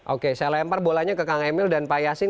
oke saya lempar bolanya ke kang emil dan pak yasin